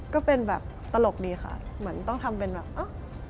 ก็เป็นแบบตลกดีค่ะเหมือนต้องทำเป็นแบบอ้าว